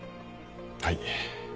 はい。